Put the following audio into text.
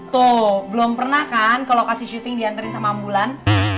tuh belum pernah kan ke lokasi syuting dianterin sama ambulan